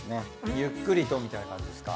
ゆっくりとみたいな感じすか？